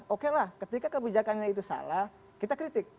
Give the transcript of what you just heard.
oke lah ketika kebijakannya itu salah kita kritik